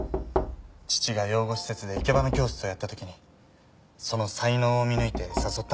父が養護施設で生け花教室をやったときにその才能を見抜いて誘ったんです。